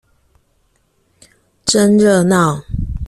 真熱鬧